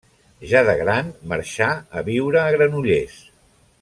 Ja de gran marxà a viure a Granollers.